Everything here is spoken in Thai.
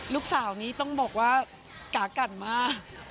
ลูกสาวนี้ต้องบอกว่ากากันมาก